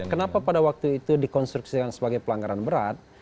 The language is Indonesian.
kenapa pada waktu itu di konstruksikan sebagai pelanggaran berat